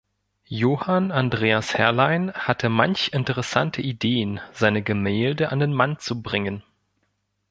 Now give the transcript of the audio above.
Johann Andreas Herrlein hatte manch interessante Ideen, seine Gemälde an den Mann zu bringen.